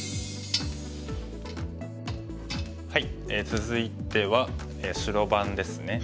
続いては白番ですね。